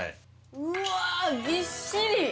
うわぎっしり。